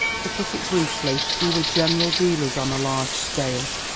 To put it briefly we were general dealers on a large scale.